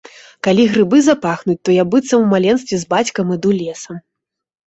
Калі грыбы запахнуць, то я быццам у маленстве з бацькам іду лесам.